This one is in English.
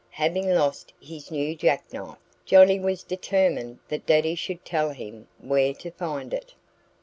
Having lost his new jackknife, Johnnie was determined that Daddy should tell him where to find it.